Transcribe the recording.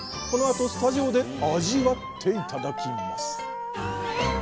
このあとスタジオで味わって頂きます